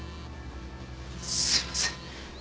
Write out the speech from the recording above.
すいません。